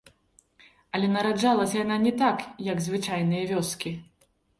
Але нараджалася яна не так, як звычайныя вёскі.